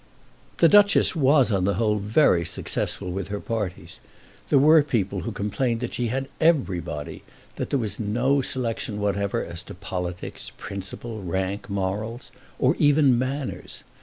The Duchess was on the whole very successful with her parties. There were people who complained that she had everybody; that there was no selection whatever as to politics, principles, rank, morals, or even manners.